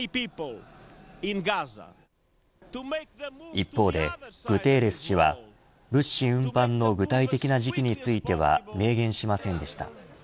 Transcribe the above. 一方で、グテーレス氏は物資運搬の具体的な時期については明言しませんでした。